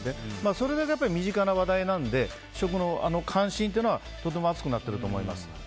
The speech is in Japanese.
それだけ身近な話題なので食への関心というのはとても熱くなっていると思います。